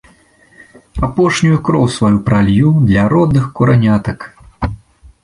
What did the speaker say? Апошнюю кроў сваю пралью для родных куранятак.